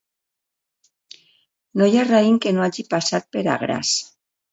No hi ha raïm que no hagi passat per agràs.